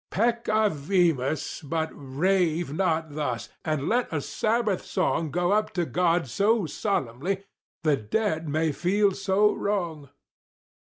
Peccavimus; but rave not thus! and let a Sabbath song Go up to God so solemnly the dead may feel no wrong!